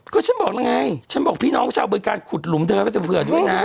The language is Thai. ก็ฉันบอกล่ะไงฉันบอกพี่น้องชาวเป็นการขุดหลุมเธอไปเผื่อด้วยนะ